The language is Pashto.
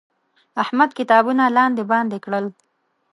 احمد کتابونه لاندې باندې کړل.